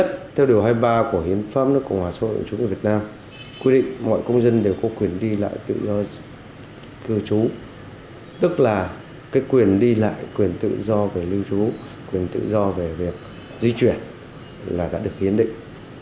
tức là quyền đi lại quyền tự do về lưu trú quyền tự do về việc di chuyển là đã được hiến định